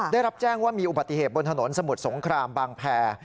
ได้รับแจ้งว่ามีอุบัติเหตุบนถนนสมุทรสงครามบางแพร